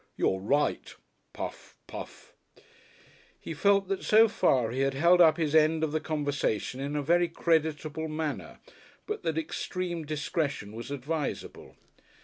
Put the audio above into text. "You're right, puff, puff." He felt that so far he had held up his end of the conversation in a very creditable manner, but that extreme discretion was advisable.